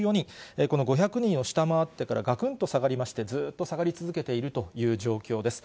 この５００人を下回ってからがくんと下がりまして、ずっと下がり続けているという状況です。